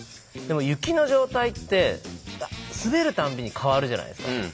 でも雪の状態って滑るたんびに変わるじゃないですか。